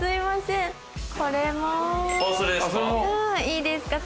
いいですか？